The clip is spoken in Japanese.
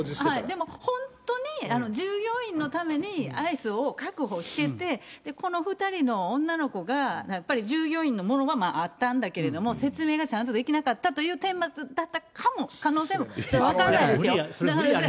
でも本当に従業員のためにアイスを確保してて、この２人の女の子が、やっぱり従業員のものはあったんだけども、説明がちゃんとできなかったというてんまつだったかも、それは無理がありますよ。